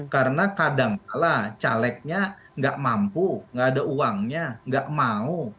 karena kadangkala calegnya gak mampu gak ada uangnya gak mau